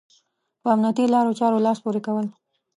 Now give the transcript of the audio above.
په امنيتي لارو چارو لاس پورې کول.